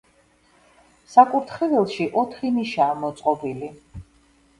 საკურთხეველში ოთხი ნიშაა მოწყობილი.